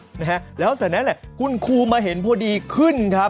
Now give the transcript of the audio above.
เสร็จเนี่ยล่ะคุณครูมาเห็นพอดีขึ้น